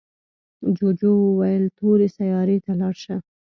جوجو وویل تورې سیارې ته لاړ شه.